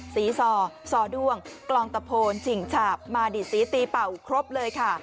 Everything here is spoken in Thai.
สีซอซอด้วงกลองตะโพนฉิ่งฉาบมาดีดสีตีเป่าครบเลยค่ะ